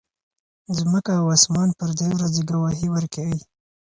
ځمکه او اسمان پر دې ورځې ګواهي ورکوي.